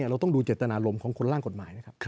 เราต้องดูเจตนารมณ์ของคนล่างกฎหมาย